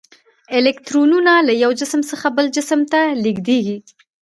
الکترونونه له یو جسم څخه بل جسم ته لیږدیږي.